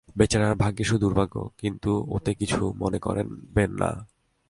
বেচারার ভাগ্যে শুধু দুর্ভোগ! কিন্তু ওতে কিছু মনে করবেন না।